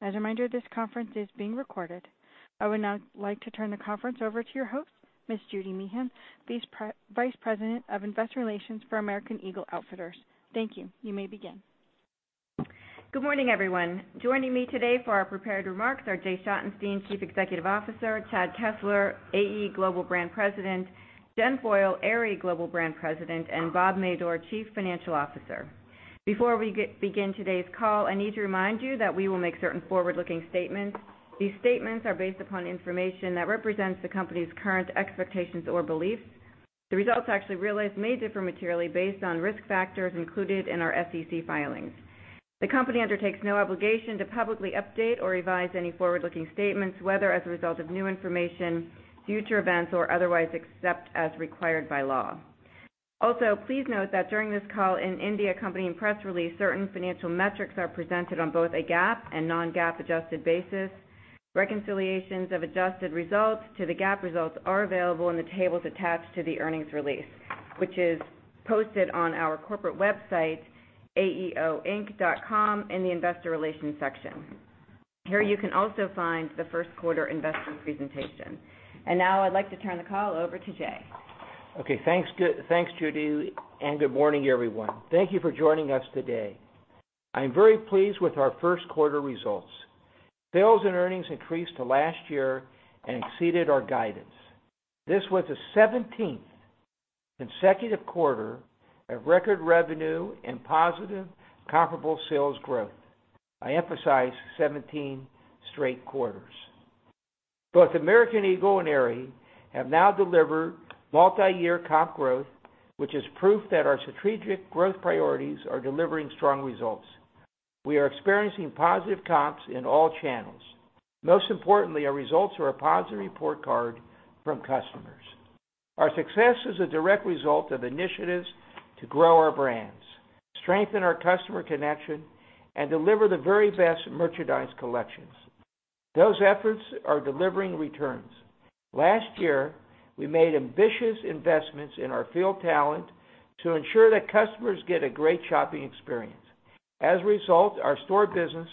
As a reminder, this conference is being recorded. I would now like to turn the conference over to your host, Ms. Judy Meehan, Vice President of Investor Relations for American Eagle Outfitters. Thank you. You may begin. Good morning, everyone. Joining me today for our prepared remarks are Jay Schottenstein, Chief Executive Officer, Chad Kessler, AE Global Brand President, Jen Foyle, Aerie Global Brand President, and Bob Madore, Chief Financial Officer. Before we begin today's call, I need to remind you that we will make certain forward-looking statements. These statements are based upon information that represents the company's current expectations or beliefs. The results actually realized may differ materially based on risk factors included in our SEC filings. The company undertakes no obligation to publicly update or revise any forward-looking statements, whether as a result of new information, future events or otherwise, except as required by law. Also, please note that during this call and in the accompanying press release, certain financial metrics are presented on both a GAAP and non-GAAP adjusted basis. Reconciliations of adjusted results to the GAAP results are available in the tables attached to the earnings release, which is posted on our corporate website, aeo-inc.com, in the investor relations section. Here, you can also find the first quarter investment presentation. Now I'd like to turn the call over to Jay. Okay, thanks, Judy, and good morning, everyone. Thank you for joining us today. I am very pleased with our first quarter results. Sales and earnings increased to last year and exceeded our guidance. This was the 17th consecutive quarter of record revenue and positive comparable sales growth. I emphasize 17 straight quarters. Both American Eagle and Aerie have now delivered multi-year comp growth, which is proof that our strategic growth priorities are delivering strong results. We are experiencing positive comps in all channels. Most importantly, our results are a positive report card from customers. Our success is a direct result of initiatives to grow our brands, strengthen our customer connection, and deliver the very best merchandise collections. Those efforts are delivering returns. Last year, we made ambitious investments in our field talent to ensure that customers get a great shopping experience. As a result, our store business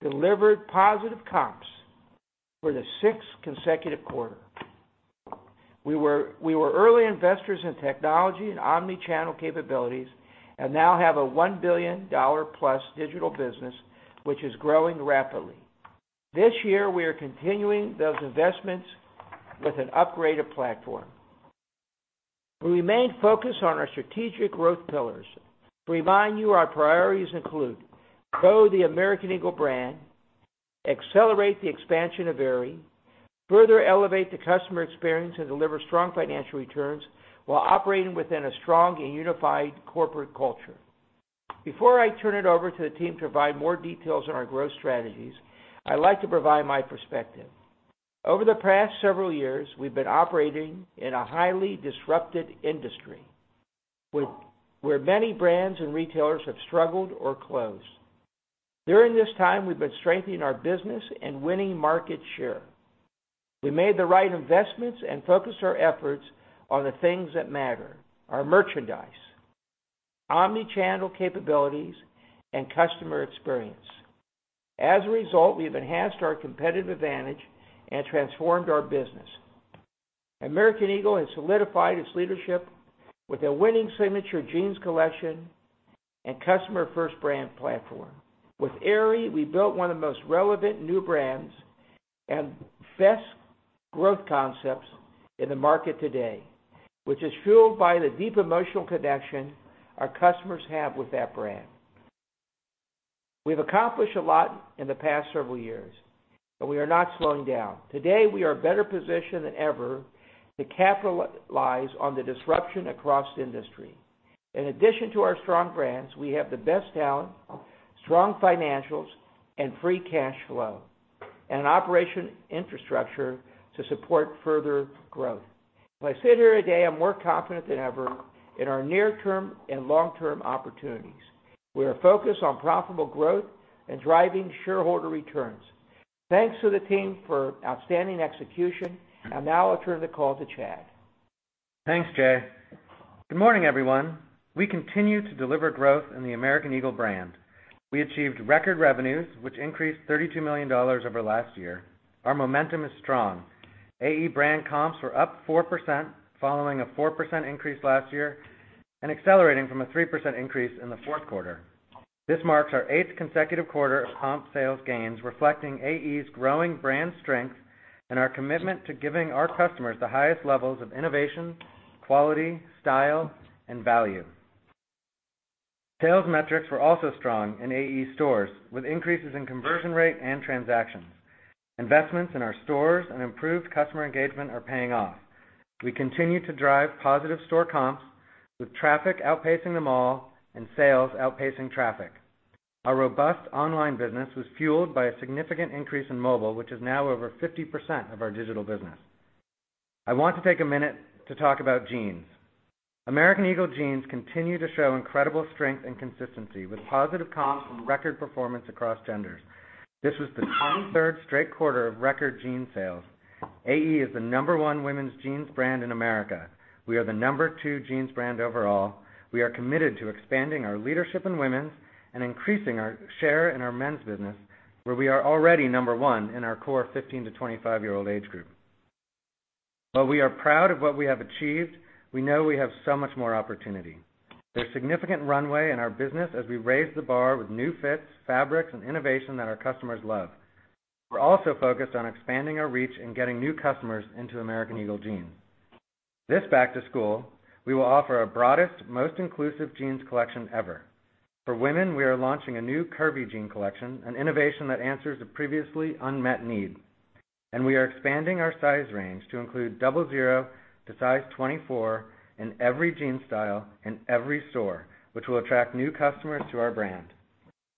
delivered positive comps for the sixth consecutive quarter. We were early investors in technology and omni-channel capabilities and now have a $1 billion-plus digital business, which is growing rapidly. This year, we are continuing those investments with an upgraded platform. We remain focused on our strategic growth pillars. To remind you, our priorities include grow the American Eagle brand, accelerate the expansion of Aerie, further elevate the customer experience and deliver strong financial returns while operating within a strong and unified corporate culture. Before I turn it over to the team to provide more details on our growth strategies, I'd like to provide my perspective. Over the past several years, we've been operating in a highly disrupted industry, where many brands and retailers have struggled or closed. During this time, we've been strengthening our business and winning market share. We made the right investments and focused our efforts on the things that matter, our merchandise, omni-channel capabilities, and customer experience. As a result, we have enhanced our competitive advantage and transformed our business. American Eagle has solidified its leadership with a winning signature jeans collection and customer-first brand platform. With Aerie, we built one of the most relevant new brands and best growth concepts in the market today, which is fueled by the deep emotional connection our customers have with that brand. We've accomplished a lot in the past several years, and we are not slowing down. Today, we are better positioned than ever to capitalize on the disruption across the industry. In addition to our strong brands, we have the best talent, strong financials, and free cash flow, and an operation infrastructure to support further growth. As I sit here today, I'm more confident than ever in our near-term and long-term opportunities. We are focused on profitable growth and driving shareholder returns. Thanks to the team for outstanding execution. Now I'll turn the call to Chad. Thanks, Jay. Good morning, everyone. We continue to deliver growth in the American Eagle brand. We achieved record revenues, which increased $32 million over last year. Our momentum is strong. AE brand comps were up 4%, following a 4% increase last year and accelerating from a 3% increase in the fourth quarter. This marks our eighth consecutive quarter of comp sales gains, reflecting AE's growing brand strength and our commitment to giving our customers the highest levels of innovation, quality, style, and value. Sales metrics were also strong in AE stores, with increases in conversion rate and transactions. Investments in our stores and improved customer engagement are paying off. We continue to drive positive store comps with traffic outpacing the mall and sales outpacing traffic. Our robust online business was fueled by a significant increase in mobile, which is now over 50% of our digital business. I want to take a minute to talk about jeans. American Eagle jeans continue to show incredible strength and consistency, with positive comps and record performance across genders. This was the 23rd straight quarter of record jean sales. AE is the number one women's jeans brand in America. We are the number two jeans brand overall. We are committed to expanding our leadership in women's and increasing our share in our men's business, where we are already number one in our core 15 to 25-year-old age group. While we are proud of what we have achieved, we know we have so much more opportunity. There's significant runway in our business as we raise the bar with new fits, fabrics, and innovation that our customers love. We're also focused on expanding our reach and getting new customers into American Eagle jeans. This back to school, we will offer our broadest, most inclusive jeans collection ever. For women, we are launching a new curvy jean collection, an innovation that answers a previously unmet need. We are expanding our size range to include double zero to size 24 in every jean style in every store, which will attract new customers to our brand.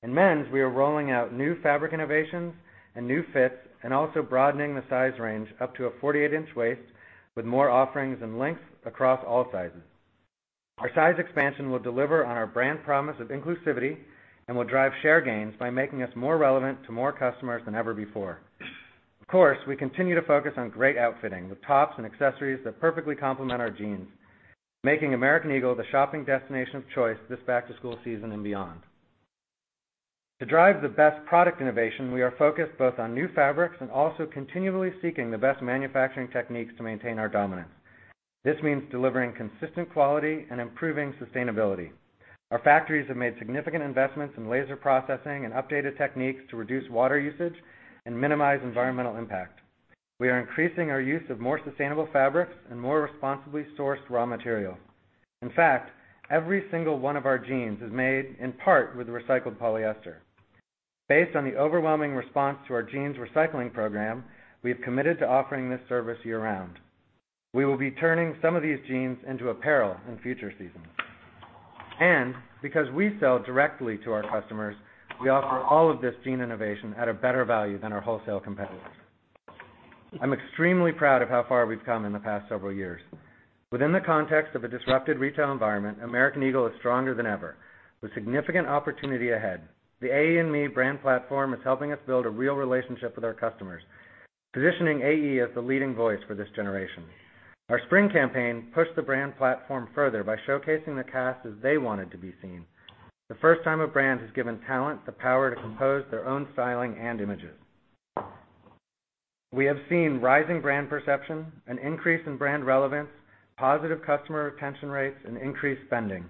In men's, we are rolling out new fabric innovations and new fits, and also broadening the size range up to a 48-inch waist with more offerings and length across all sizes. Our size expansion will deliver on our brand promise of inclusivity and will drive share gains by making us more relevant to more customers than ever before. Of course, we continue to focus on great outfitting with tops and accessories that perfectly complement our jeans, making American Eagle the shopping destination of choice this back-to-school season and beyond. To drive the best product innovation, we are focused both on new fabrics and also continually seeking the best manufacturing techniques to maintain our dominance. This means delivering consistent quality and improving sustainability. Our factories have made significant investments in laser processing and updated techniques to reduce water usage and minimize environmental impact. We are increasing our use of more sustainable fabrics and more responsibly sourced raw material. In fact, every single one of our jeans is made in part with recycled polyester. Based on the overwhelming response to our jeans recycling program, we have committed to offering this service year-round. We will be turning some of these jeans into apparel in future seasons. Because we sell directly to our customers, we offer all of this jean innovation at a better value than our wholesale competitors. I'm extremely proud of how far we've come in the past several years. Within the context of a disrupted retail environment, American Eagle is stronger than ever with significant opportunity ahead. The AExME brand platform is helping us build a real relationship with our customers, positioning AE as the leading voice for this generation. Our spring campaign pushed the brand platform further by showcasing the cast as they wanted to be seen, the first time a brand has given talent the power to compose their own styling and images. We have seen rising brand perception, an increase in brand relevance, positive customer retention rates, and increased spending.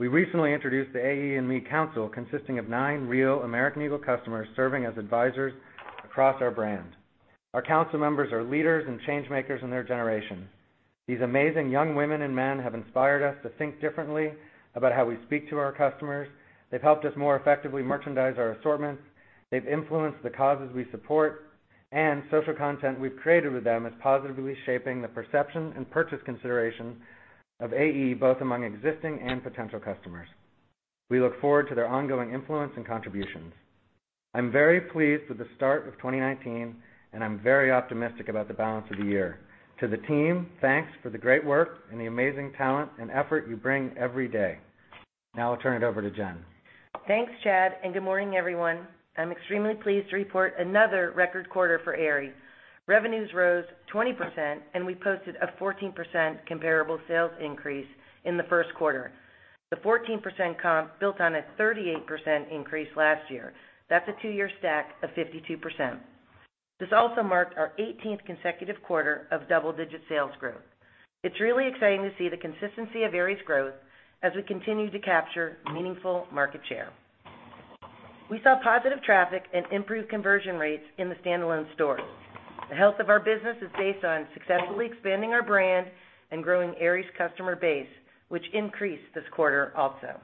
We recently introduced the AExME Council, consisting of nine real American Eagle customers serving as advisors across our brand. Our council members are leaders and change makers in their generation. These amazing young women and men have inspired us to think differently about how we speak to our customers. They've helped us more effectively merchandise our assortments. They've influenced the causes we support, and social content we've created with them is positively shaping the perception and purchase consideration of AE, both among existing and potential customers. We look forward to their ongoing influence and contributions. I'm very pleased with the start of 2019, and I'm very optimistic about the balance of the year. To the team, thanks for the great work and the amazing talent and effort you bring every day. Now I'll turn it over to Jen. Thanks, Chad. Good morning, everyone. I'm extremely pleased to report another record quarter for Aerie. Revenues rose 20%, and we posted a 14% comparable sales increase in the first quarter. The 14% comp built on a 38% increase last year. That's a two-year stack of 52%. This also marked our 18th consecutive quarter of double-digit sales growth. It's really exciting to see the consistency of Aerie's growth as we continue to capture meaningful market share. We saw positive traffic and improved conversion rates in the standalone stores. The health of our business is based on successfully expanding our brand and growing Aerie's customer base, which increased this quarter also.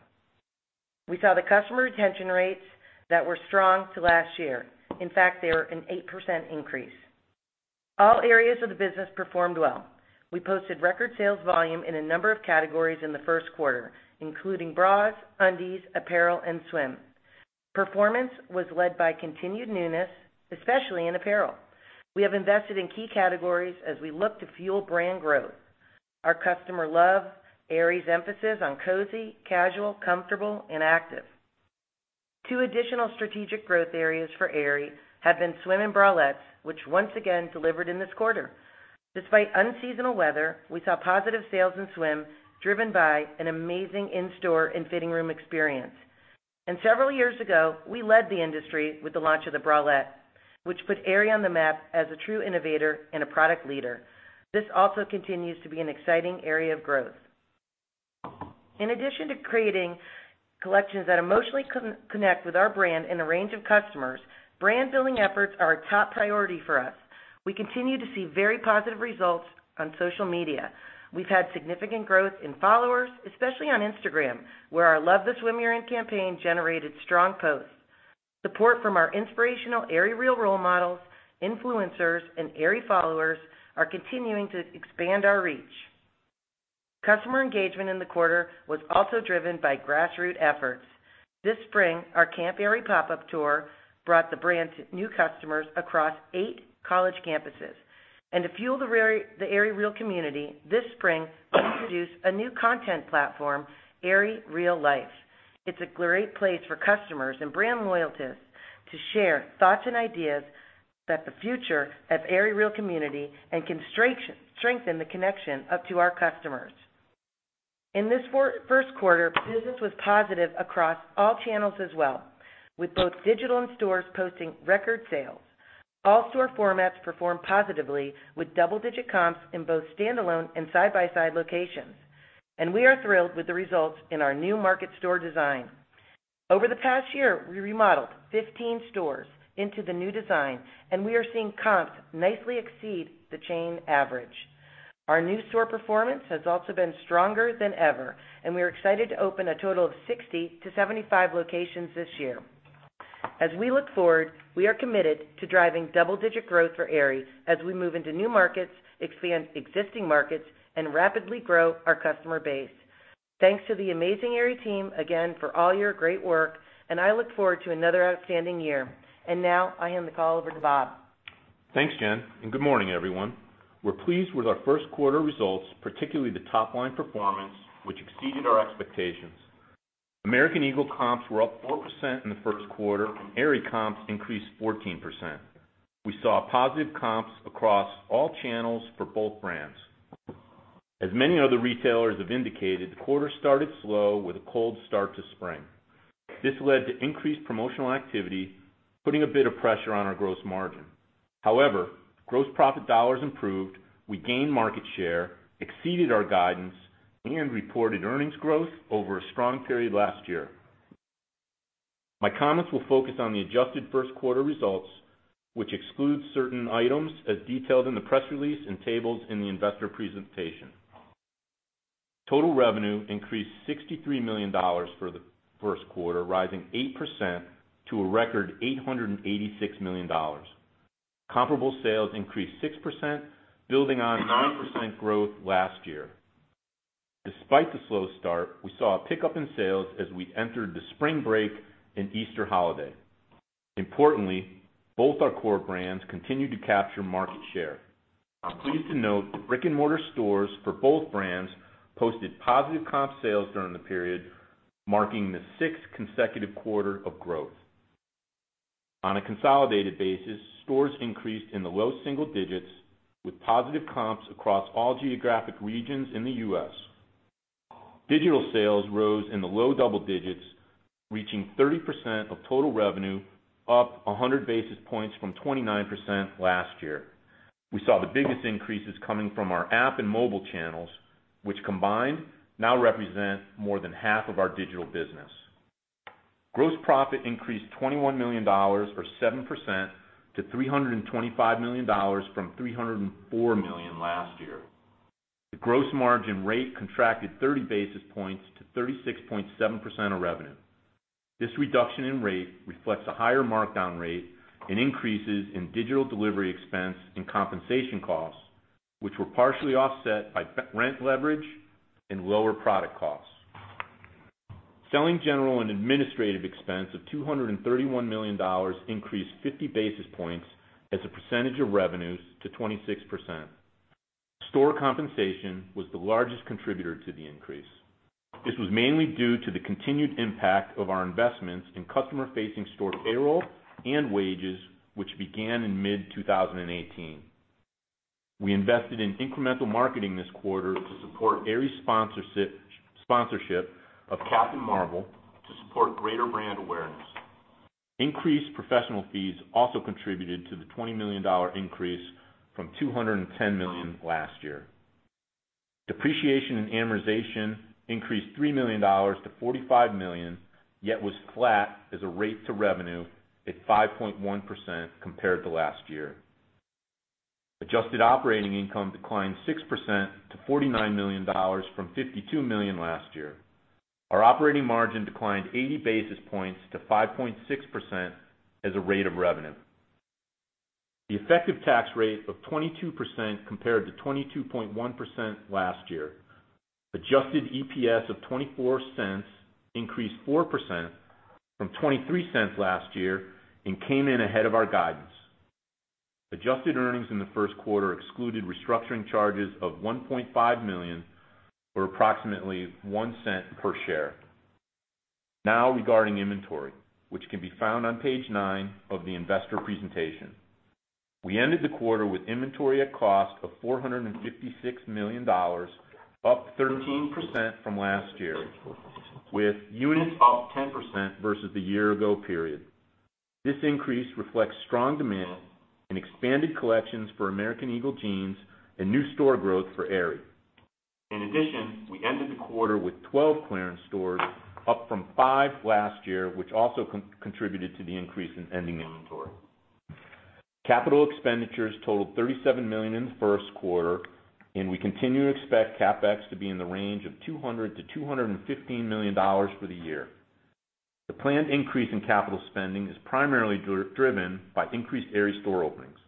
We saw the customer retention rates that were strong to last year. In fact, they are an 8% increase. All areas of the business performed well. We posted record sales volume in a number of categories in the first quarter, including bras, undies, apparel, and swim. Performance was led by continued newness, especially in apparel. We have invested in key categories as we look to fuel brand growth. Our customer love Aerie's emphasis on cozy, casual, comfortable, and active. Two additional strategic growth areas for Aerie have been swim and bralettes, which once again delivered in this quarter. Despite unseasonal weather, we saw positive sales in swim, driven by an amazing in-store and fitting room experience. Several years ago, we led the industry with the launch of the bralette, which put Aerie on the map as a true innovator and a product leader. This also continues to be an exciting area of growth. In addition to creating collections that emotionally connect with our brand and a range of customers, brand building efforts are a top priority for us. We continue to see very positive results on social media. We've had significant growth in followers, especially on Instagram, where our Love the Swim You're In campaign generated strong posts. Support from our inspirational Aerie Real Role Models, influencers, and Aerie followers are continuing to expand our reach. Customer engagement in the quarter was also driven by grassroots efforts. This spring, our Camp Aerie pop-up tour brought the brand to new customers across eight college campuses. To fuel the Aerie Real Community, this spring we introduced a new content platform, Aerie Real Life. It's a great place for customers and brand loyalists to share thoughts and ideas about the future of Aerie Real Community and strengthen the connection up to our customers. In this first quarter, business was positive across all channels as well, with both digital and stores posting record sales. All store formats performed positively with double-digit comps in both standalone and side-by-side locations. We are thrilled with the results in our new market store design. Over the past year, we remodeled 15 stores into the new design, and we are seeing comps nicely exceed the chain average. Our new store performance has also been stronger than ever, and we are excited to open a total of 60 to 75 locations this year. As we look forward, we are committed to driving double-digit growth for Aerie as we move into new markets, expand existing markets, and rapidly grow our customer base. Thanks to the amazing Aerie team again for all your great work, and I look forward to another outstanding year. Now, I hand the call over to Bob. Thanks, Jen, and good morning, everyone. We're pleased with our first quarter results, particularly the top-line performance, which exceeded our expectations. American Eagle comps were up 4% in the first quarter, and Aerie comps increased 14%. We saw positive comps across all channels for both brands. As many other retailers have indicated, the quarter started slow with a cold start to spring. This led to increased promotional activity, putting a bit of pressure on our gross margin. However, gross profit dollars improved, we gained market share, exceeded our guidance, and reported earnings growth over a strong period last year. My comments will focus on the adjusted first quarter results, which excludes certain items as detailed in the press release and tables in the investor presentation. Total revenue increased $63 million for the first quarter, rising 8% to a record $886 million. Comparable sales increased 6%, building on 9% growth last year. Despite the slow start, we saw a pickup in sales as we entered the spring break and Easter holiday. Importantly, both our core brands continued to capture market share. I'm pleased to note the brick-and-mortar stores for both brands posted positive comp sales during the period, marking the sixth consecutive quarter of growth. On a consolidated basis, stores increased in the low single digits with positive comps across all geographic regions in the U.S. Digital sales rose in the low double digits, reaching 30% of total revenue, up 100 basis points from 29% last year. We saw the biggest increases coming from our app and mobile channels, which combined now represent more than half of our digital business. Gross profit increased $21 million or 7% to $325 million from $304 million last year. The gross margin rate contracted 30 basis points to 36.7% of revenue. This reduction in rate reflects a higher markdown rate and increases in digital delivery expense and compensation costs, which were partially offset by rent leverage and lower product costs. Selling general and administrative expense of $231 million increased 50 basis points as a percentage of revenues to 26%. Store compensation was the largest contributor to the increase. This was mainly due to the continued impact of our investments in customer-facing store payroll and wages, which began in mid-2018. We invested in incremental marketing this quarter to support Aerie's sponsorship of Captain Marvel to support greater brand awareness. Increased professional fees also contributed to the $20 million increase from $210 million last year. Depreciation and amortization increased $3 million to $45 million, yet was flat as a rate to revenue at 5.1% compared to last year. Adjusted operating income declined 6% to $49 million from $52 million last year. Our operating margin declined 80 basis points to 5.6% as a rate of revenue. The effective tax rate of 22% compared to 22.1% last year. Adjusted EPS of $0.24 increased 4% from $0.23 last year and came in ahead of our guidance. Adjusted earnings in the first quarter excluded restructuring charges of $1.5 million or approximately $0.01 per share. Regarding inventory, which can be found on page nine of the investor presentation. We ended the quarter with inventory at cost of $456 million, up 13% from last year, with units up 10% versus the year-ago period. This increase reflects strong demand and expanded collections for American Eagle jeans and new store growth for Aerie. In addition, we ended the quarter with 12 clearance stores up from five last year, which also contributed to the increase in ending inventory. Capital expenditures totaled $37 million in the first quarter, and we continue to expect CapEx to be in the range of $200 million-$215 million for the year. The planned increase in capital spending is primarily driven by increased Aerie store openings.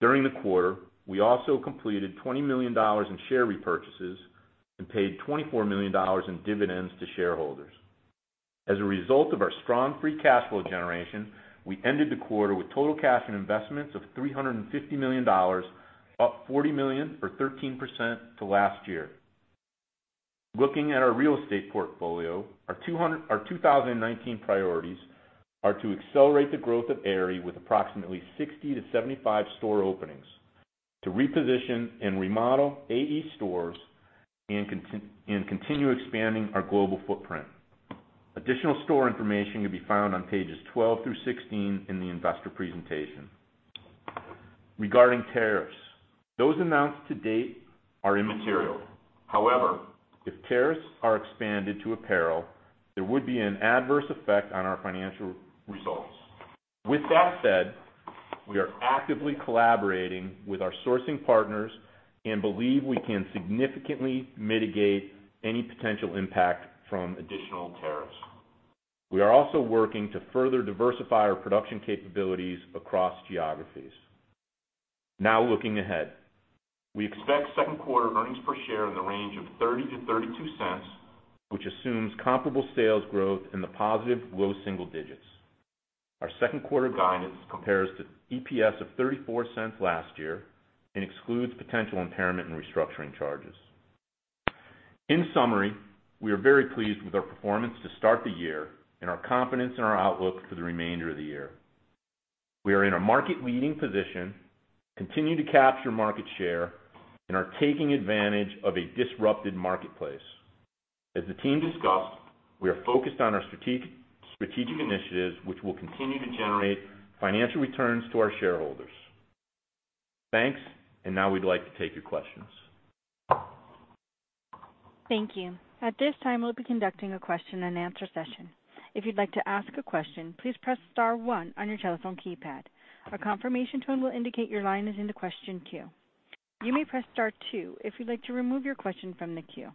During the quarter, we also completed $20 million in share repurchases and paid $24 million in dividends to shareholders. As a result of our strong free cash flow generation, we ended the quarter with total cash and investments of $350 million, up $40 million or 13% to last year. Looking at our real estate portfolio, our 2019 priorities are to accelerate the growth of Aerie with approximately 60 to 75 store openings, to reposition and remodel AE stores, and continue expanding our global footprint. Additional store information can be found on pages 12 through 16 in the investor presentation. Regarding tariffs, those amounts to date are immaterial. If tariffs are expanded to apparel, there would be an adverse effect on our financial results. With that said, we are actively collaborating with our sourcing partners and believe we can significantly mitigate any potential impact from additional tariffs. We are also working to further diversify our production capabilities across geographies. Looking ahead, we expect second quarter earnings per share in the range of $0.30-$0.32, which assumes comparable sales growth in the positive low single digits. Our second quarter guidance compares to EPS of $0.34 last year and excludes potential impairment and restructuring charges. In summary, we are very pleased with our performance to start the year and are confident in our outlook for the remainder of the year. We are in a market-leading position, continue to capture market share, and are taking advantage of a disrupted marketplace. As the team discussed, we are focused on our strategic initiatives, which will continue to generate financial returns to our shareholders. Thanks. Now we'd like to take your questions. Thank you. At this time, we'll be conducting a question and answer session. If you'd like to ask a question, please press star one on your telephone keypad. A confirmation tone will indicate your line is in the question queue. You may press star two if you'd like to remove your question from the queue.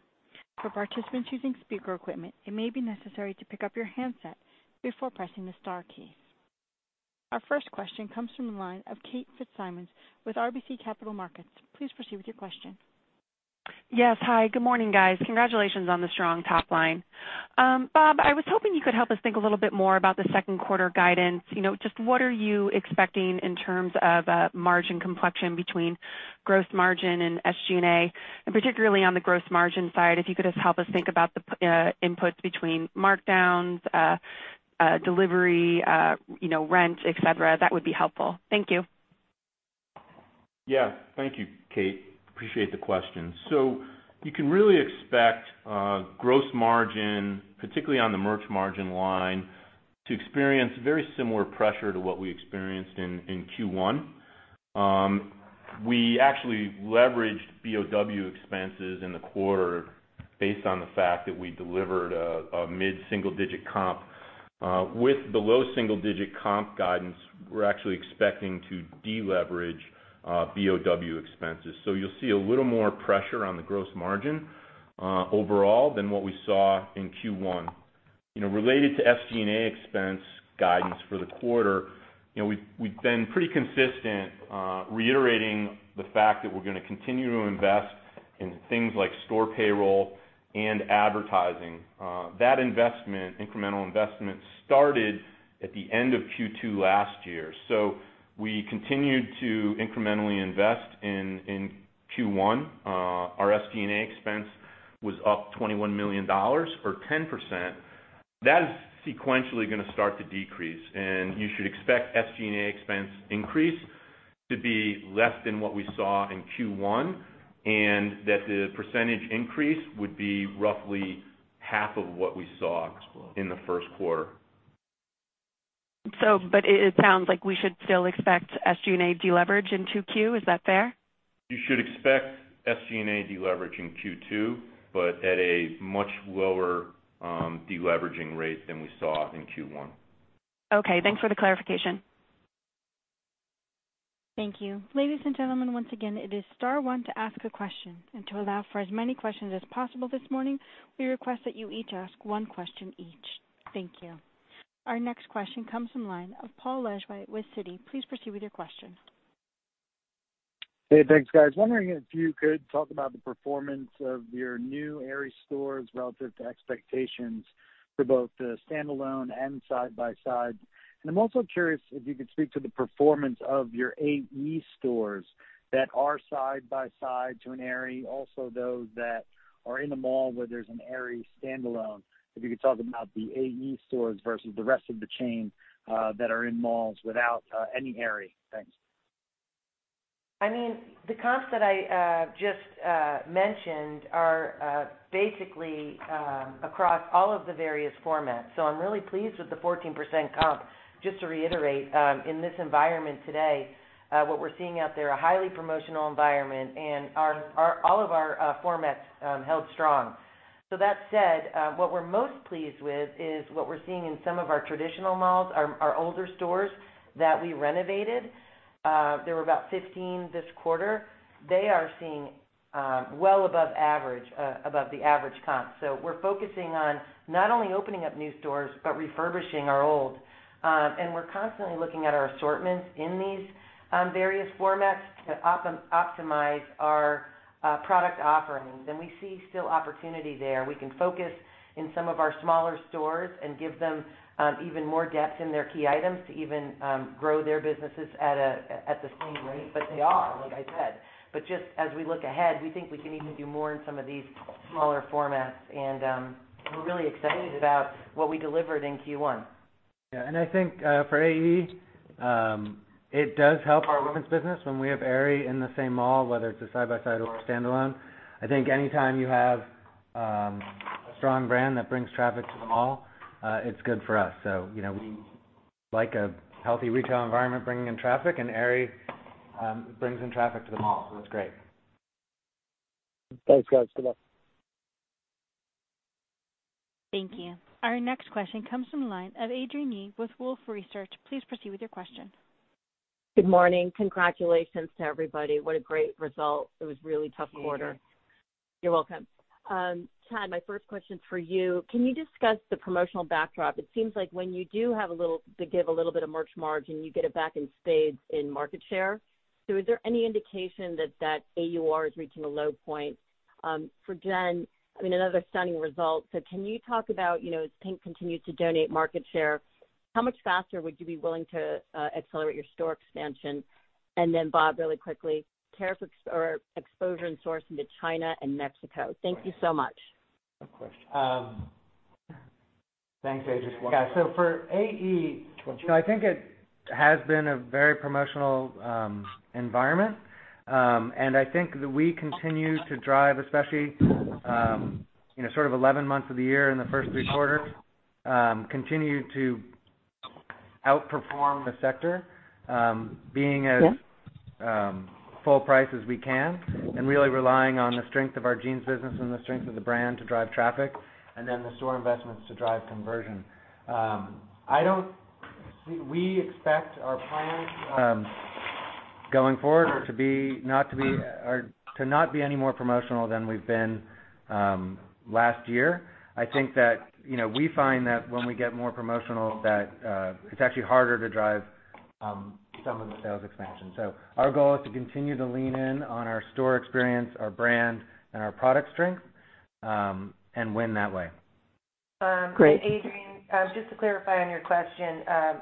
For participants using speaker equipment, it may be necessary to pick up your handset before pressing the star keys. Our first question comes from the line of Kate Fitzsimons with RBC Capital Markets. Please proceed with your question. Yes. Hi, good morning, guys. Congratulations on the strong top line. Bob, I was hoping you could help us think a little bit more about the second quarter guidance. Just what are you expecting in terms of margin complexion between gross margin and SG&A, and particularly on the gross margin side, if you could just help us think about the inputs between markdowns, delivery, rent, et cetera, that would be helpful. Thank you. Yeah. Thank you, Kate. Appreciate the question. You can really expect gross margin, particularly on the merch margin line, to experience very similar pressure to what we experienced in Q1. We actually leveraged B&O expenses in the quarter based on the fact that we delivered a mid-single-digit comp. With the low single-digit comp guidance, we're actually expecting to deleverage B&O expenses. You'll see a little more pressure on the gross margin overall than what we saw in Q1. Related to SG&A expense guidance for the quarter, we've been pretty consistent reiterating the fact that we're going to continue to invest in things like store payroll and advertising. That incremental investment started at the end of Q2 last year. We continued to incrementally invest in Q1. Our SG&A expense was up $21 million or 10%. That is sequentially going to start to decrease. You should expect SG&A expense increase to be less than what we saw in Q1, that the percentage increase would be roughly half of what we saw in the first quarter. It sounds like we should still expect SG&A deleverage in 2Q. Is that fair? You should expect SG&A deleverage in Q2, at a much lower deleveraging rate than we saw in Q1. Okay, thanks for the clarification. Thank you. Ladies and gentlemen, once again, it is star one to ask a question. To allow for as many questions as possible this morning, we request that you each ask one question each. Thank you. Our next question comes from the line of Paul Lejuez with Citi. Please proceed with your question. Hey, thanks, guys. Wondering if you could talk about the performance of your new Aerie stores relative to expectations for both the standalone and side by side. I'm also curious if you could speak to the performance of your AE stores that are side by side to an Aerie, also those that are in a mall where there's an Aerie standalone. If you could talk about the AE stores versus the rest of the chain that are in malls without any Aerie. Thanks. The comps that I just mentioned are basically across all of the various formats. I'm really pleased with the 14% comp. Just to reiterate, in this environment today, what we're seeing out there, a highly promotional environment, all of our formats held strong. That said, what we're most pleased with is what we're seeing in some of our traditional malls, our older stores that we renovated. There were about 15 this quarter. They are seeing well above the average comp. We're focusing on not only opening up new stores, but refurbishing our old. We're constantly looking at our assortments in these various formats to optimize our product offerings. We see still opportunity there. We can focus in some of our smaller stores and give them even more depth in their key items to even grow their businesses at the same rate. They are, like I said. Just as we look ahead, we think we can even do more in some of these smaller formats, we're really excited about what we delivered in Q1. Yeah. I think for AE, it does help our women's business when we have Aerie in the same mall, whether it's a side by side or a standalone. I think anytime you have a strong brand that brings traffic to the mall, it's good for us. We like a healthy retail environment bringing in traffic, and Aerie brings in traffic to the mall, that's great. Thanks, guys. Good luck. Thank you. Our next question comes from the line of Adrienne Yih with Wolfe Research. Please proceed with your question. Good morning. Congratulations to everybody. What a great result. It was a really tough quarter. Thank you. You're welcome. Chad, my first question's for you. Can you discuss the promotional backdrop? It seems like when you do have a little to give a little bit of merch margin, you get it back in spades in market share. Is there any indication that that AUR is reaching a low point? For Jen, another stunning result. Can you talk about, as Pink continues to donate market share, how much faster would you be willing to accelerate your store expansion? Bob, really quickly, tariffs or exposure and source into China and Mexico. Thank you so much. No question. Thanks, Adrienne. For AE, I think it has been a very promotional environment. I think that we continue to drive, especially sort of 11 months of the year in the first three quarters, continue to outperform the sector, being as full price as we can and really relying on the strength of our jeans business and the strength of the brand to drive traffic the store investments to drive conversion. We expect our plans going forward to not be any more promotional than we've been last year. I think that we find that when we get more promotional that it's actually harder to drive some of the sales expansion. Our goal is to continue to lean in on our store experience, our brand, and our product strength, and win that way. Great. Adrienne, just to clarify on your question. Are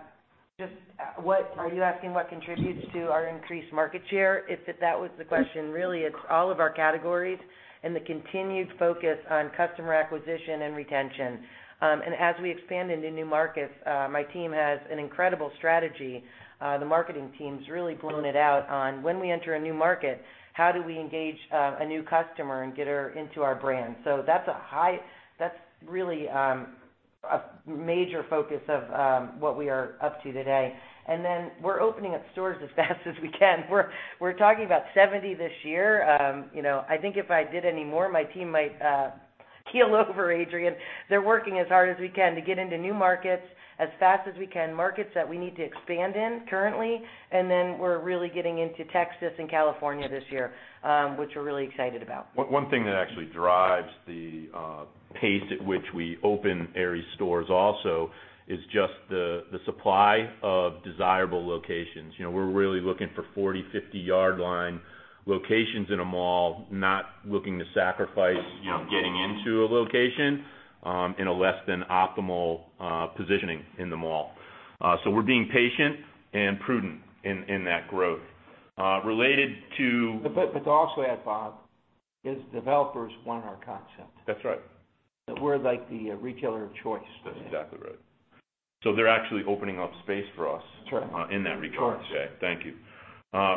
you asking what contributes to our increased market share? If that was the question, really, it's all of our categories and the continued focus on customer acquisition and retention. As we expand into new markets, my team has an incredible strategy. The marketing team's really blown it out on when we enter a new market, how do we engage a new customer and get her into our brand? That's really a major focus of what we are up to today. We're opening up stores as fast as we can. We're talking about 70 this year. I think if I did any more, my team might keel over, Adrienne. They're working as hard as we can to get into new markets as fast as we can, markets that we need to expand in currently. We're really getting into Texas and California this year, which we're really excited about. One thing that actually drives the pace at which we open Aerie stores also is just the supply of desirable locations. We're really looking for 40, 50 yard line locations in a mall, not looking to sacrifice getting into a location in a less than optimal positioning in the mall. We're being patient and prudent in that growth. To also add, Bob, is developers want our concept. That's right. That we're like the retailer of choice. That's exactly right. They're actually opening up space for us. That's right. in that regard. Of course. Thank you.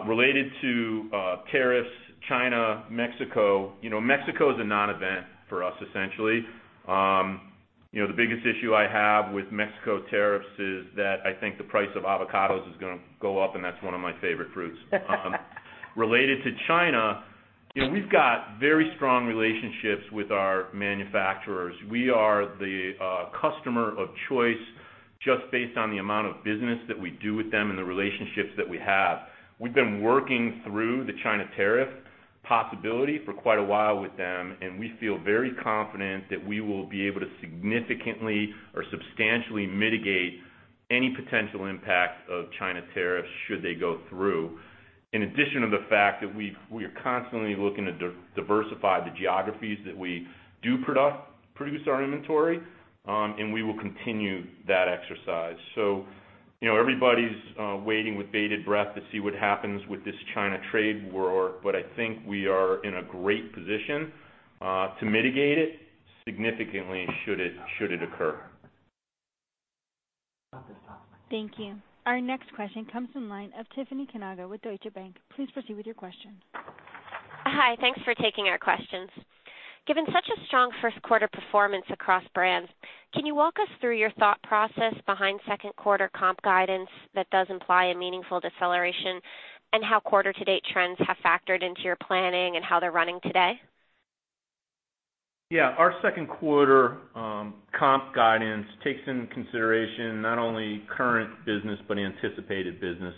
Related to tariffs, China, Mexico. Mexico is a non-event for us, essentially. The biggest issue I have with Mexico tariffs is that I think the price of avocados is gonna go up, and that's one of my favorite fruits. Related to China, we've got very strong relationships with our manufacturers. We are the customer of choice just based on the amount of business that we do with them and the relationships that we have. We've been working through the China tariff possibility for quite a while with them, and we feel very confident that we will be able to significantly or substantially mitigate any potential impact of China tariffs should they go through. In addition to the fact that we are constantly looking to diversify the geographies that we do produce our inventory, and we will continue that exercise. Everybody's waiting with bated breath to see what happens with this China trade war, but I think we are in a great position to mitigate it significantly should it occur. Thank you. Our next question comes from line of Tiffany Kanaga with Deutsche Bank. Please proceed with your question. Hi. Thanks for taking our questions. Given such a strong first quarter performance across brands, can you walk us through your thought process behind second quarter comp guidance that does imply a meaningful deceleration, and how quarter to date trends have factored into your planning and how they're running today? Yeah. Our second quarter comp guidance takes into consideration not only current business but anticipated business.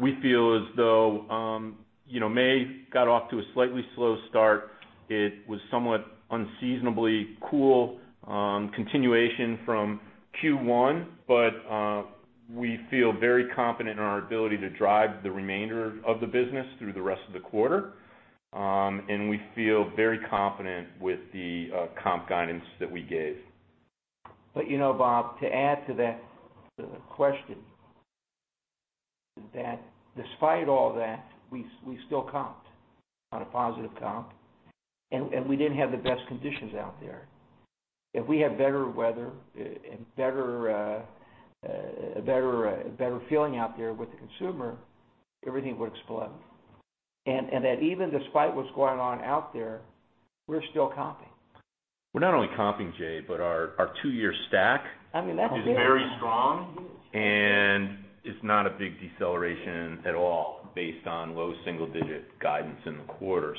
We feel as though May got off to a slightly slow start. It was somewhat unseasonably cool, continuation from Q1. We feel very confident in our ability to drive the remainder of the business through the rest of the quarter. We feel very confident with the comp guidance that we gave. Bob, to add to that question That despite all that, we still comped on a positive comp, and we didn't have the best conditions out there. If we had better weather and a better feeling out there with the consumer, everything would explode. That even despite what's going on out there, we're still comping. We're not only comping, Jay, but our two-year stack- I mean, that'll do it is very strong, and it's not a big deceleration at all based on low single-digit guidance in the quarter.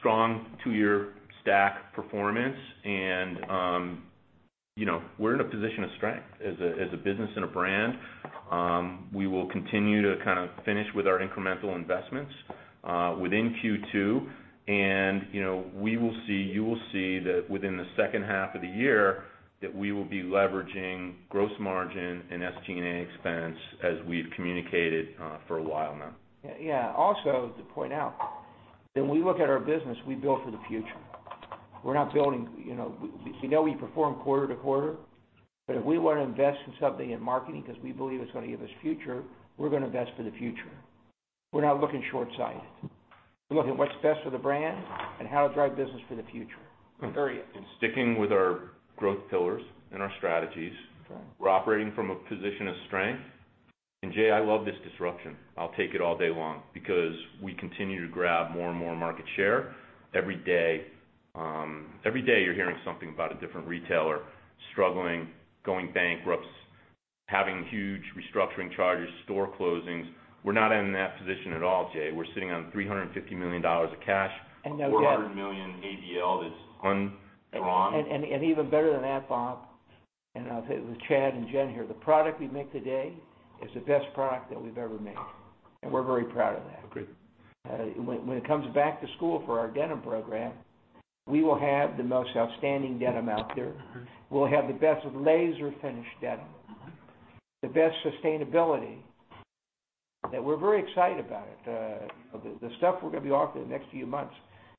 Strong two-year stack performance and we're in a position of strength as a business and a brand. We will continue to finish with our incremental investments within Q2, and you will see that within the second half of the year that we will be leveraging gross margin and SG&A expense as we've communicated for a while now. Yeah. Also, to point out, when we look at our business, we build for the future. We know we perform quarter-to-quarter, if we want to invest in something in marketing because we believe it's going to give us future, we're going to invest for the future. We're not looking short-sighted. We're looking at what's best for the brand and how to drive business for the future. Sticking with our growth pillars and our strategies. Sure. We're operating from a position of strength. Jay, I love this disruption. I'll take it all day long because we continue to grab more and more market share every day. Every day you're hearing something about a different retailer struggling, going bankrupt, having huge restructuring charges, store closings. We're not in that position at all, Jay. We're sitting on $350 million of cash. No debt. 400 million ABL is strong. Bob, and I'll say it with Chad and Jen here, the product we make today is the best product that we've ever made, and we're very proud of that. Agreed. When it comes back to school for our denim program, we will have the most outstanding denim out there. Agreed. We'll have the best laser finished denim. The best sustainability. That we're very excited about it. The stuff we're going to be offering the next few months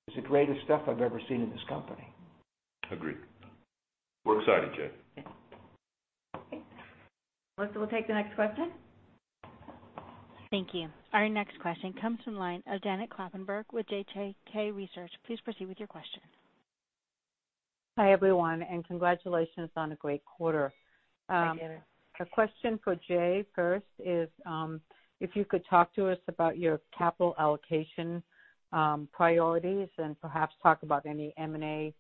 is the greatest stuff I've ever seen in this company. Agreed. We're excited, Jay. Melissa, we'll take the next question. Thank you. Our next question comes from line of Janet Kloppenburg with JKK Research. Please proceed with your question. Hi, everyone. Congratulations on a great quarter. Hi, Janet. A question for Jay first is, if you could talk to us about your capital allocation priorities and perhaps talk about any M&A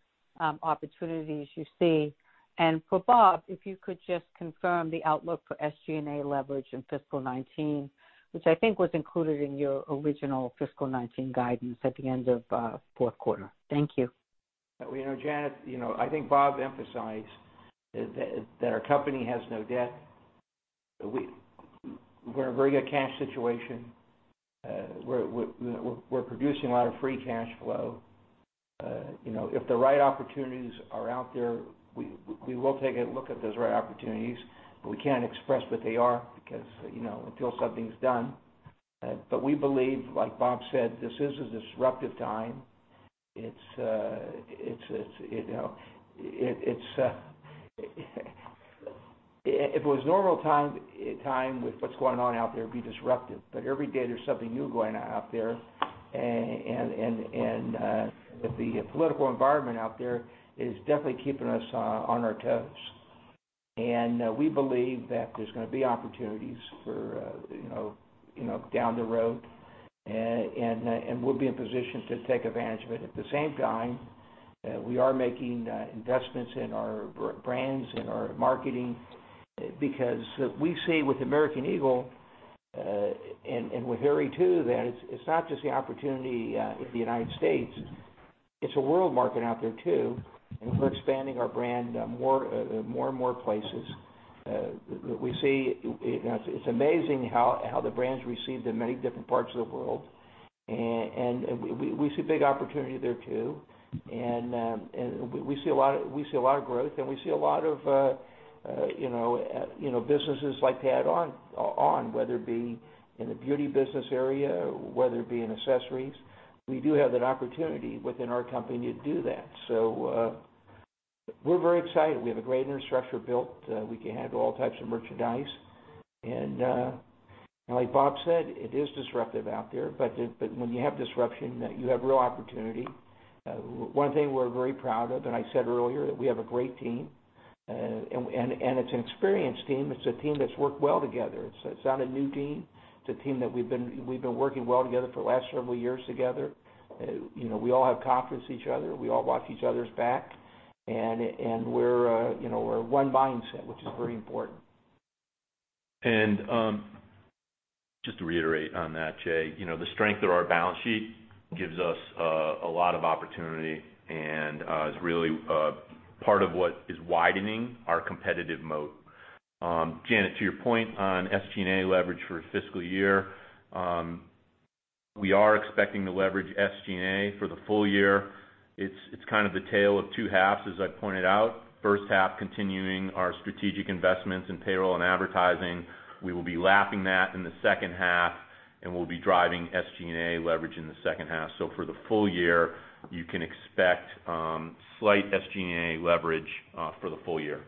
opportunities you see. For Bob, if you could just confirm the outlook for SG&A leverage in fiscal 2019, which I think was included in your original fiscal 2019 guidance at the end of fourth quarter. Thank you. Janet, I think Bob emphasized that our company has no debt. We're in a very good cash situation. We're producing a lot of free cash flow. If the right opportunities are out there, we will take a look at those right opportunities, but we can't express what they are because until something's done. We believe, like Bob said, this is a disruptive time. If it was normal time with what's going on out there, it'd be disruptive. Every day there's something new going on out there, and the political environment out there is definitely keeping us on our toes. We believe that there's going to be opportunities down the road, and we'll be in position to take advantage of it. At the same time, we are making investments in our brands, in our marketing, because we see with American Eagle and with Aerie too, that it's not just the opportunity with the United States, it's a world market out there, too. We're expanding our brand more and more places. It's amazing how the brand's received in many different parts of the world, and we see big opportunity there, too. We see a lot of growth and we see a lot of businesses like to add on, whether it be in the beauty business area, whether it be in accessories. We do have that opportunity within our company to do that. We're very excited. We have a great infrastructure built. We can handle all types of merchandise. Like Bob said, it is disruptive out there. When you have disruption, you have real opportunity. One thing we're very proud of, I said earlier, that we have a great team. It's an experienced team. It's a team that's worked well together. It's not a new team. It's a team that we've been working well together for the last several years together. We all have confidence in each other. We all watch each other's back. We're one mindset, which is very important. Just to reiterate on that, Jay, the strength of our balance sheet gives us a lot of opportunity and is really part of what is widening our competitive moat. Janet, to your point on SG&A leverage for fiscal year. We are expecting to leverage SG&A for the full year. It's the tale of two halves, as I pointed out. First half, continuing our strategic investments in payroll and advertising. We will be lapping that in the second half, and we'll be driving SG&A leverage in the second half. For the full year, you can expect slight SG&A leverage for the full year.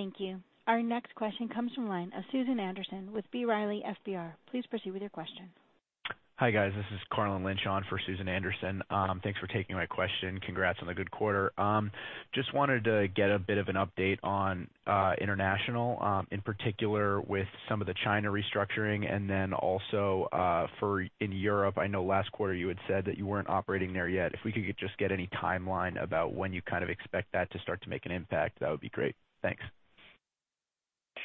Thank you. Our next question comes from the line of Susan Anderson with B. Riley FBR. Please proceed with your question. Hi, guys. This is Carlin Lynch on for Susan Anderson. Thanks for taking my question. Congrats on the good quarter. Just wanted to get a bit of an update on international, in particular with some of the China restructuring and then also in Europe. I know last quarter you had said that you weren't operating there yet. If we could just get any timeline about when you kind of expect that to start to make an impact, that would be great. Thanks.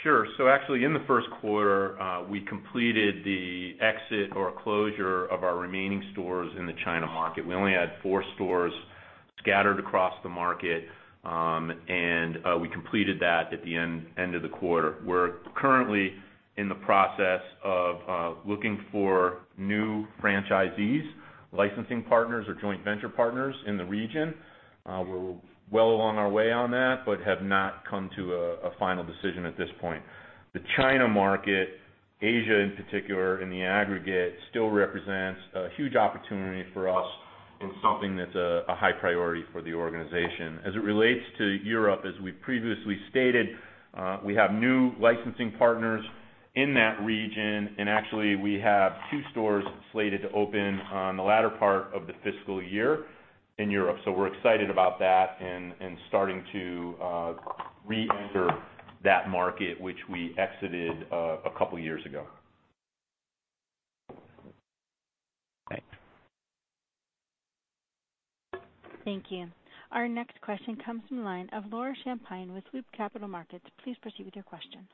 Sure. Actually, in the first quarter, we completed the exit or closure of our remaining stores in the China market. We only had four stores scattered across the market, and we completed that at the end of the quarter. We're currently in the process of looking for new franchisees, licensing partners or joint venture partners in the region. We're well along our way on that, but have not come to a final decision at this point. The China market, Asia in particular, in the aggregate, still represents a huge opportunity for us and something that's a high priority for the organization. As it relates to Europe, as we previously stated, we have new licensing partners in that region, and actually, we have two stores slated to open on the latter part of the fiscal year in Europe. We're excited about that and starting to re-enter that market, which we exited a couple of years ago. Thanks. Thank you. Our next question comes from the line of Laura Champine with Loop Capital Markets. Please proceed with your question.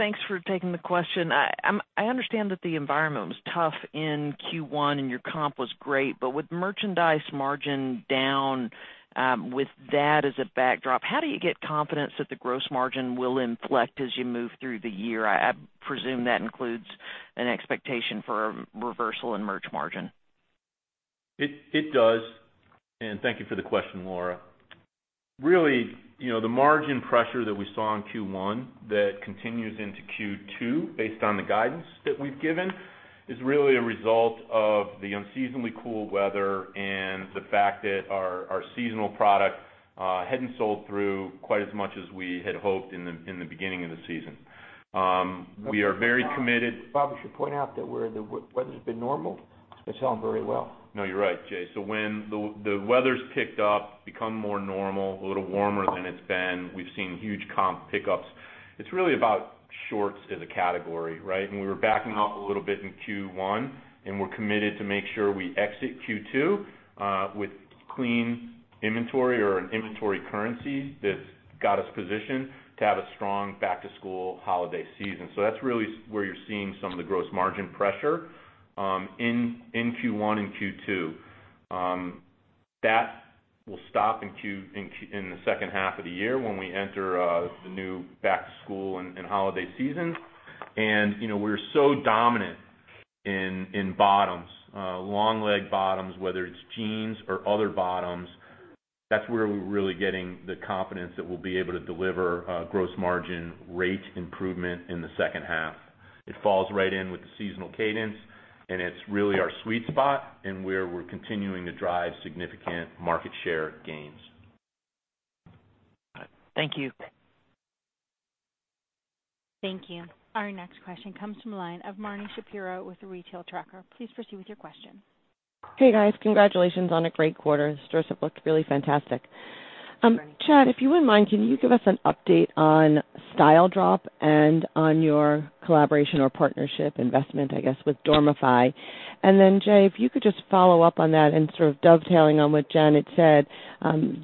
Thanks for taking the question. I understand that the environment was tough in Q1, and your comp was great. With merchandise margin down, with that as a backdrop, how do you get confidence that the gross margin will inflect as you move through the year? I presume that includes an expectation for a reversal in merch margin. It does, thank you for the question, Laura. The margin pressure that we saw in Q1 that continues into Q2, based on the guidance that we've given, is really a result of the unseasonably cool weather and the fact that our seasonal product hadn't sold through quite as much as we had hoped in the beginning of the season. We are very committed- Bob, we should point out that where the weather's been normal, it's been selling very well. No, you're right, Jay. When the weather's picked up, become more normal, a little warmer than it's been, we've seen huge comp pickups. It's really about shorts as a category, right? We were backing off a little bit in Q1, and we're committed to make sure we exit Q2 with clean inventory or an inventory currency that's got us positioned to have a strong back-to-school holiday season. That's really where you're seeing some of the gross margin pressure in Q1 and Q2. That will stop in the second half of the year when we enter the new back-to-school and holiday season. We're so dominant in bottoms, long leg bottoms, whether it's jeans or other bottoms. That's where we're really getting the confidence that we'll be able to deliver gross margin rate improvement in the second half. It falls right in with the seasonal cadence, and it's really our sweet spot and where we're continuing to drive significant market share gains. Got it. Thank you. Thank you. Our next question comes from the line of Marni Shapiro with The Retail Tracker. Please proceed with your question. Hey, guys. Congratulations on a great quarter. The stores have looked really fantastic. Chad, if you wouldn't mind, can you give us an update on Style Drop and on your collaboration or partnership investment, I guess, with Dormify? Jay, if you could just follow up on that and sort of dovetailing on what Jen had said.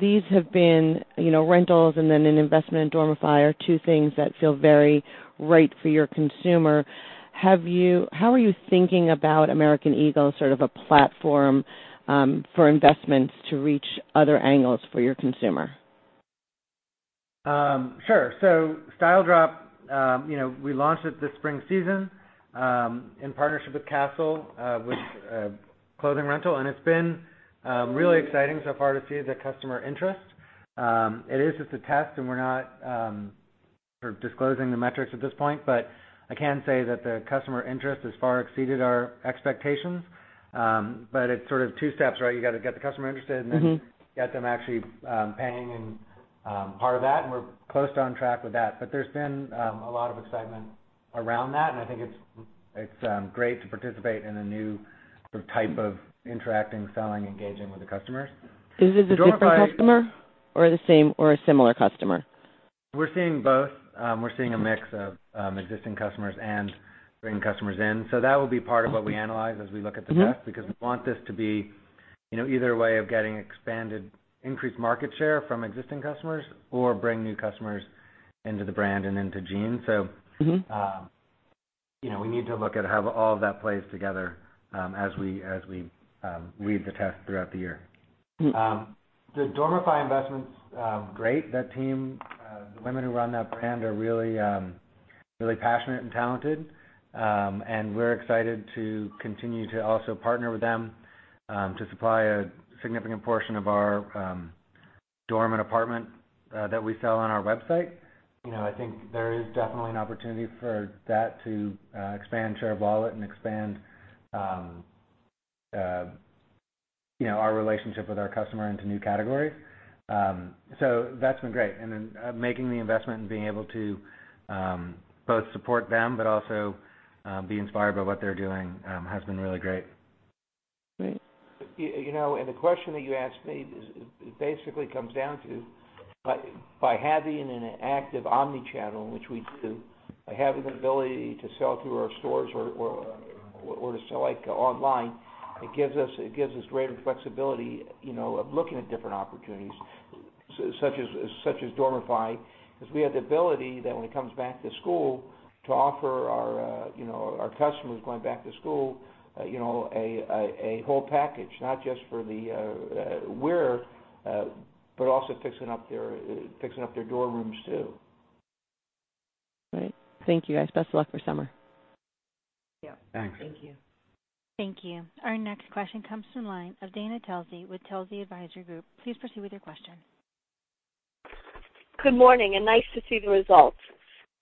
These have been rentals and then an investment in Dormify are two things that feel very right for your consumer. How are you thinking about American Eagle as sort of a platform for investments to reach other angles for your consumer? Sure. Style Drop, we launched it this spring season in partnership with CaaStle, which is a clothing rental, and it's been really exciting so far to see the customer interest. It is just a test, I can say that the customer interest has far exceeded our expectations. It's sort of two steps, right? You got to get the customer interested and then get them actually paying and part of that, we're close to on track with that. There's been a lot of excitement around that, I think it's great to participate in a new type of interacting, selling, engaging with the customers. Is it a different customer or a similar customer? We're seeing both. We're seeing a mix of existing customers and bringing customers in. That will be part of what we analyze as we look at the test, because we want this to be either a way of getting expanded increased market share from existing customers or bring new customers into the brand and into jeans. We need to look at how all of that plays together as we read the test throughout the year. The Dormify investment's great. That team, the women who run that brand are really passionate and talented, and we're excited to continue to also partner with them to supply a significant portion of our dorm and apartment that we sell on our website. I think there is definitely an opportunity for that to expand share of wallet and expand our relationship with our customer into new categories. That's been great. Making the investment and being able to both support them but also be inspired by what they're doing has been really great. Great. The question that you asked me, it basically comes down to by having an active omni-channel, which we do, by having the ability to sell through our stores or to sell online, it gives us greater flexibility of looking at different opportunities such as Dormify. We have the ability that when it comes back to school to offer our customers going back to school a whole package, not just for the wearer but also fixing up their dorm rooms too. Right. Thank you, guys. Best of luck for summer. Yeah. Thanks. Thank you. Thank you. Our next question comes from the line of Dana Telsey with Telsey Advisory Group. Please proceed with your question. Good morning, nice to see the results.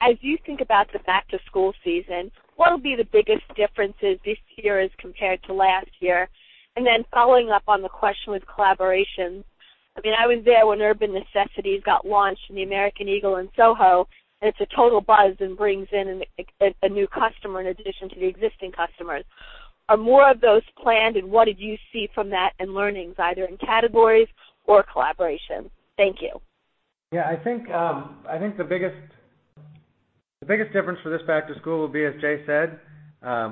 As you think about the back-to-school season, what will be the biggest differences this year as compared to last year? Following up on the question with collaborations, I was there when Urban Necessities got launched in the American Eagle in Soho, and it's a total buzz and brings in a new customer in addition to the existing customers. Are more of those planned, and what did you see from that in learnings, either in categories or collaboration? Thank you. Yeah, I think the biggest difference for this back to school will be, as Jay said,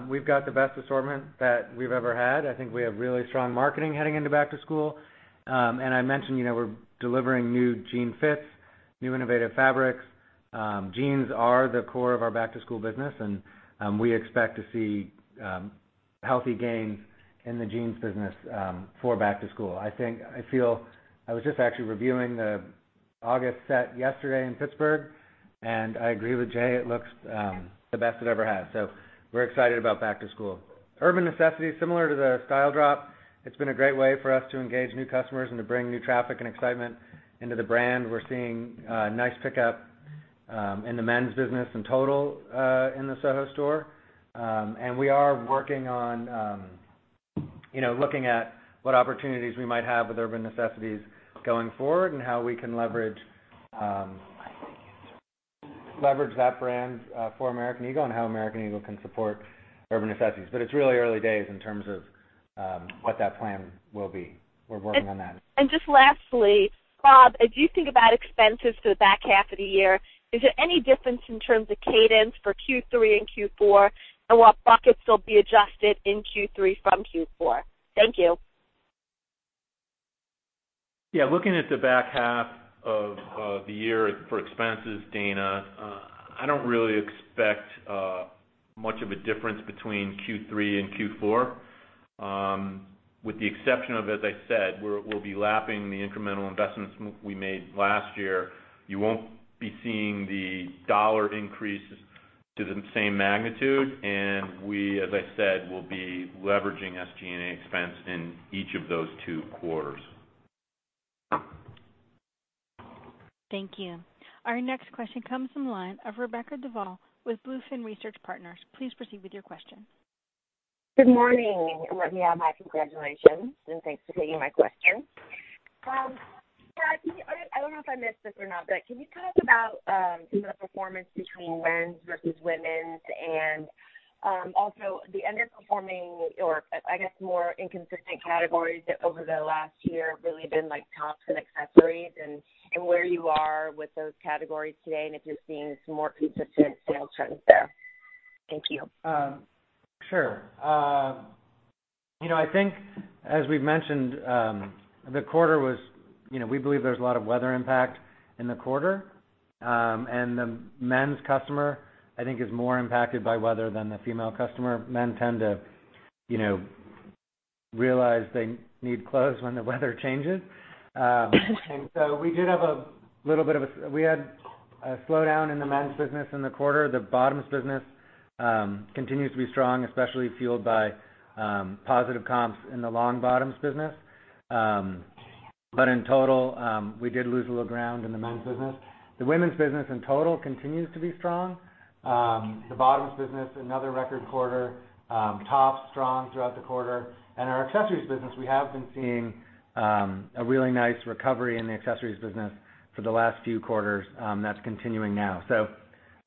we've got the best assortment that we've ever had. I think we have really strong marketing heading into back to school. I mentioned we're delivering new jean fits, new innovative fabrics. Jeans are the core of our back-to-school business, and we expect to see healthy gains in the jeans business for back to school. I was just actually reviewing the August set yesterday in Pittsburgh, and I agree with Jay. It looks the best it ever has. We're excited about back to school. Urban Necessities, similar to the Style Drop, it's been a great way for us to engage new customers and to bring new traffic and excitement into the brand. We're seeing a nice pickup in the men's business in total in the Soho store. We are working on looking at what opportunities we might have with Urban Necessities going forward and how we can leverage that brand for American Eagle and how American Eagle can support Urban Necessities. It's really early days in terms of what that plan will be. We're working on that. Just lastly, Bob, as you think about expenses for the back half of the year, is there any difference in terms of cadence for Q3 and Q4, and what buckets will be adjusted in Q3 from Q4? Thank you. Yeah. Looking at the back half of the year for expenses, Dana, I don't really expect much of a difference between Q3 and Q4. With the exception of, as I said, we'll be lapping the incremental investments we made last year. You won't be seeing the dollar increase to the same magnitude. We, as I said, will be leveraging SG&A expense in each of those two quarters. Thank you. Our next question comes from the line of Rebecca Duval with Bluefin Research Partners. Please proceed with your question. Good morning. Let me add my congratulations, and thanks for taking my question. Rob, I don't know if I missed this or not, but can you talk about the performance between men's versus women's? Also the underperforming or, I guess, more inconsistent categories over the last year have really been tops and accessories and where you are with those categories today and if you're seeing some more consistent sales trends there. Thank you. Sure. I think, as we've mentioned, we believe there's a lot of weather impact in the quarter. The men's customer, I think, is more impacted by weather than the female customer. Men tend to realize they need clothes when the weather changes. We had a slowdown in the men's business in the quarter. The bottoms business continues to be strong, especially fueled by positive comps in the long bottoms business. In total, we did lose a little ground in the men's business. The women's business in total continues to be strong. The bottoms business, another record quarter. Tops, strong throughout the quarter. Our accessories business, we have been seeing a really nice recovery in the accessories business for the last few quarters. That's continuing now.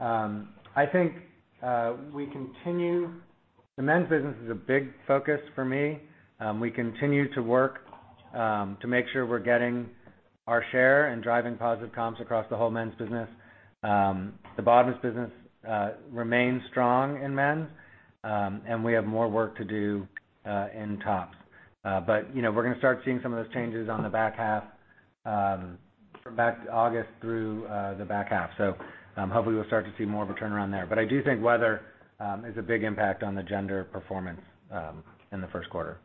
I think the men's business is a big focus for me. We continue to work to make sure we're getting our share and driving positive comps across the whole men's business. The bottoms business remains strong in men's. We have more work to do in tops. We're going to start seeing some of those changes on the back half from August through the back half. Hopefully we'll start to see more of a turnaround there. I do think weather has a big impact on the gender performance in the first quarter.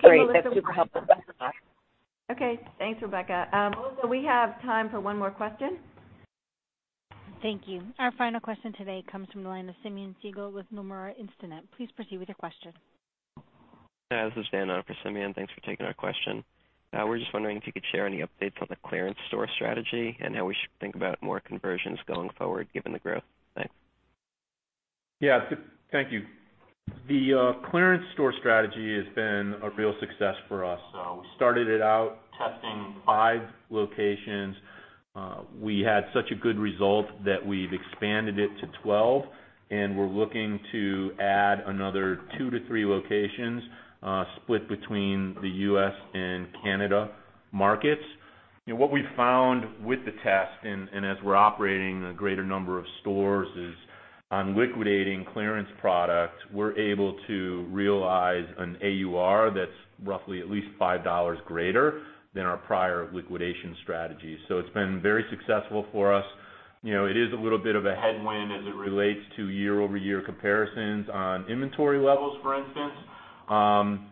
Great. That's super helpful. Thanks a lot. Okay. Thanks, Rebecca. Melissa, we have time for one more question. Thank you. Our final question today comes from the line of Simeon Siegel with Nomura Instinet. Please proceed with your question. This is Dan on for Simeon. Thanks for taking our question. We're just wondering if you could share any updates on the clearance store strategy and how we should think about more conversions going forward given the growth. Thanks. Yeah. Thank you. The clearance store strategy has been a real success for us. We started it out testing five locations. We had such a good result that we've expanded it to 12, and we're looking to add another two to three locations split between the U.S. and Canada markets. What we've found with the test, and as we're operating a greater number of stores, is on liquidating clearance product, we're able to realize an AUR that's roughly at least $5 greater than our prior liquidation strategy. It's been very successful for us. It is a little bit of a headwind as it relates to year-over-year comparisons on inventory levels, for instance.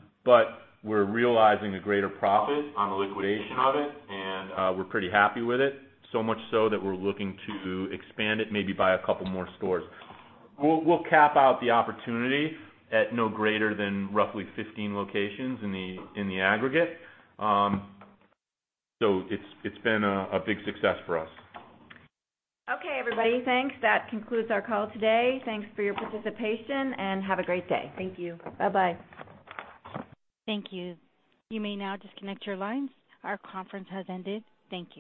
We're realizing a greater profit on the liquidation of it, and we're pretty happy with it. Much so that we're looking to expand it, maybe by a couple more stores. We'll cap out the opportunity at no greater than roughly 15 locations in the aggregate. It's been a big success for us. Okay, everybody. Thanks. That concludes our call today. Thanks for your participation, and have a great day. Thank you. Bye-bye. Thank you. You may now disconnect your lines. Our conference has ended. Thank you.